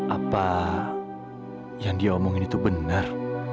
apa yang dia omongin itu benar